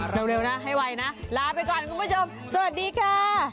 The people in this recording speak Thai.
เร็วนะให้ไวนะลาไปก่อนคุณผู้ชมสวัสดีค่ะ